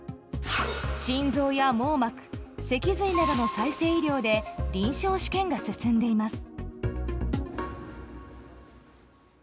心臓や網膜、脊髄などの再生医療で臨床試験が進んでいます。